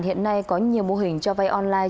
hiện nay có nhiều mô hình cho vay online